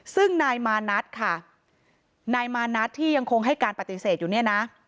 ซึ่งนายมานัทค่ะนายมานัทที่ยังคงให้การปฏิเสธอยู่เนี่ยนะ